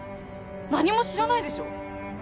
何も知らないでしょう